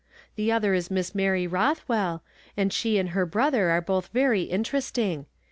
The other is Miss Mary Rothwell, and she and her brother are both very interesting.